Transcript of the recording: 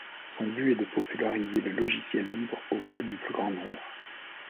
Son but est de populariser le logiciel libre auprès du plus grand nombre.